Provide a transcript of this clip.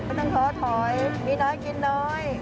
ต้องท้อถอยมีน้อยกินน้อย